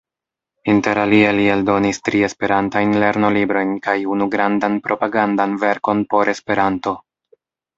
Interalie li eldonis tri esperantajn lernolibrojn kaj unu grandan propagandan verkon por Esperanto.